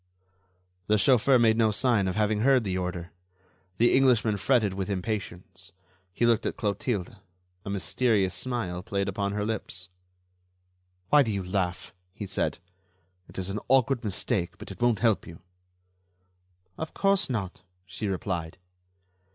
The chauffeur made no sign of having heard the order. The Englishman fretted with impatience. He looked at Clotilde; a mysterious smile played upon her lips. "Why do you laugh?" he said. "It is an awkward mistake, but it won't help you." "Of course not," she replied.